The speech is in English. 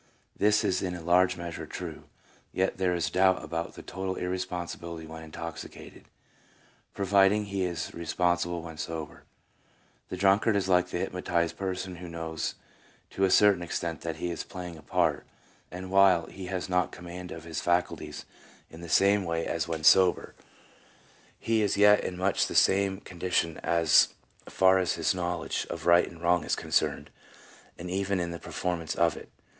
This is in a large measure true, yet there is doubt about the total irresponsibility when intoxicated, providing he is responsible when sober. The drunkard is like the hypnotized person who knows to a certain extent that he is playing a part, and while he has not command of his faculties in the 1 M. Maher, Psychology, p. 403. a H. P. Stearns, The Drunkard and his Responsibility (pamphlet). MORALS. 207 same way as when sober, he is yet in much the same condition as far as his knowledge of right and wrong is concerned, and even in the performance of it.